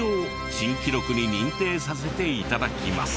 珍記録に認定させて頂きます。